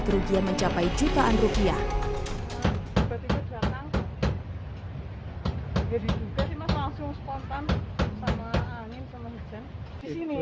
kerugian mencapai jutaan rupiah jadi juga langsung spontan sama angin sama hijab di sini